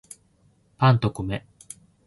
パンと米